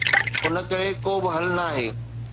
ان ڪري ڪو به حل ناهي.